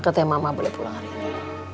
katanya mama boleh pulang hari ini